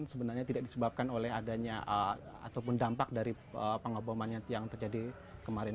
sebenarnya tidak disebabkan oleh adanya ataupun dampak dari pengeboman yang terjadi kemarin